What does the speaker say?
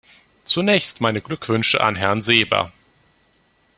Zunächst meine Glückwünsche an Herrn Seeber.